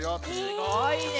すごいね。